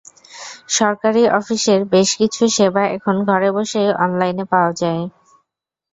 সরকারি অফিসের বেশ কিছু সেবা এখন ঘরে বসেই অনলাইনে পাওয়া যায়।